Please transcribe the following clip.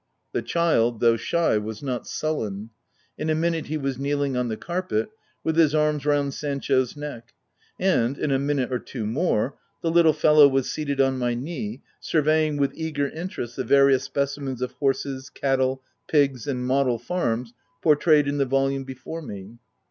The child, though shy, was not sullen. In a minute he was kneeling on the carpet, with his arms round Sancho's neck, and in a minute or two more, the little fellow was seated on my knee, surveying with eager interest the various specimens of horses, cattle, pigs, and model farms portrayed in the volume before me.